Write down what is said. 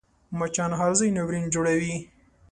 مچان هر ځای ناورین جوړوي